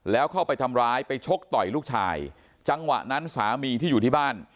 แล้วเข้าไปทำร้ายไปชกต่อยลูกชายจังหวะนั้นสามีที่อยู่ที่บ้าน